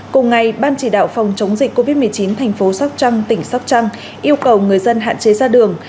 cùng ngày ban chỉ đạo phòng chống dịch covid một mươi chín thành phố sóc trăng tỉnh sóc trăng yêu cầu người dân hạn chế ra đường